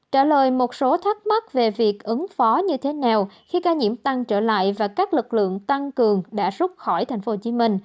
trả lời một số thắc mắc về việc ứng phó như thế nào khi ca nhiễm tăng trở lại và các lực lượng tăng cường đã rút khỏi tp hcm